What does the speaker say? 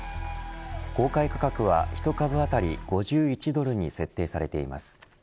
公開価格は１株あたり５１ドルに設定されています。